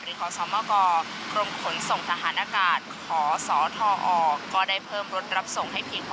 ขอสมกกรมขนส่งทหารอากาศขอสทอก็ได้เพิ่มรถรับส่งให้เพียงพอ